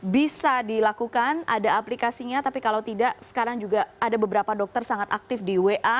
bisa dilakukan ada aplikasinya tapi kalau tidak sekarang juga ada beberapa dokter sangat aktif di wa